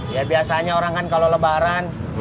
ya biasanya orang kan kalau lebaran